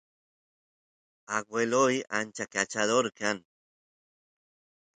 agueloy ancha kachador kan